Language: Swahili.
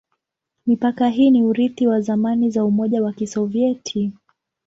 Mipaka hii ni urithi wa zamani za Umoja wa Kisovyeti.